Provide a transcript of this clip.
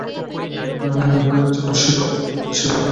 জন সেই এলাকার কাছে ইউরোপীয়দের একটি খনির কাজ চালাতে দেখেন।